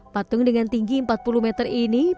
patung dengan tinggi empat puluh meter ini